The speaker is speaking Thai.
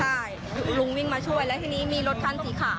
ใช่ลุงวิ่งมาช่วยแล้วทีนี้มีรถคันสีขาว